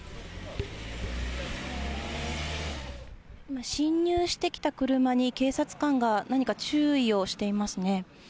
今、進入してきた車に、警察官が何か注意をしていますね。